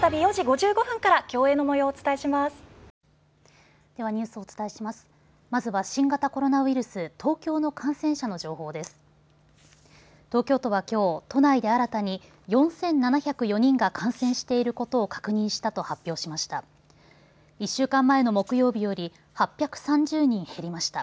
東京都はきょう、都内で新たに４７０４人が感染していることを確認したと発表しました。